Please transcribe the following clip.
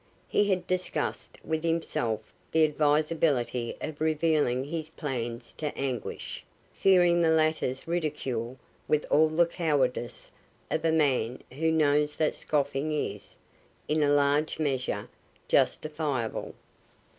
He had discussed with himself the advisability of revealing his plans to Anguish, fearing the latter's ridicule with all the cowardice of a man who knows that scoffing is, in a large measure, justifiable.